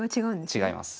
違います。